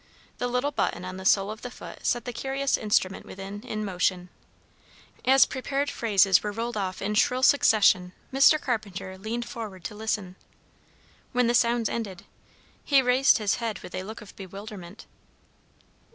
The little button on the sole of the foot set the curious instrument within in motion. As prepared phrases were rolled off in shrill succession, Mr. Carpenter leaned forward to listen. When the sounds ended, he raised his head with a look of bewilderment.